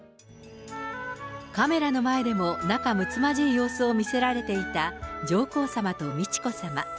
カメラの前でも仲むつまじい様子を見せられていた上皇さまと美智子さま。